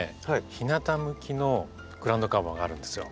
日なた向きのグラウンドカバーがあるんですよ。